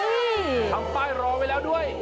อืมทำป้ายรอไว้แล้วด้วย